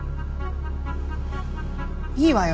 いいわよ。